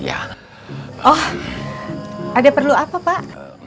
ada perlu apa pak